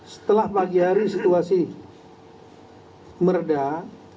setelah pagiari situasi meredah